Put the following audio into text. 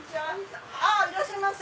いらっしゃいませ！